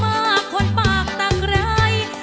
มาฟังอินโทรเพลงที่๑๐